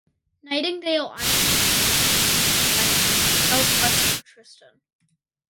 Nightingale Island and Inaccessible Island are southwest of Tristan.